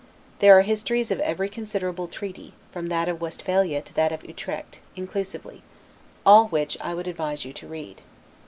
There are histories of every considerable treaty, from that of Westphalia to that of Utrecht, inclusively; all which I would advise you to read.